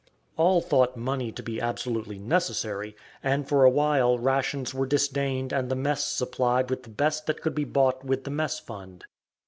All thought money to be absolutely necessary, and for awhile rations were disdained and the mess supplied with the best that could be bought with the mess fund.